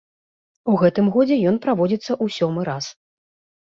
У гэтым годзе ён праводзіцца ў сёмы раз.